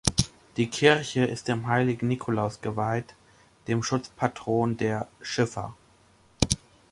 Die Kirche ist dem heiligen Nikolaus geweiht, dem Schutzpatron der Schiffer.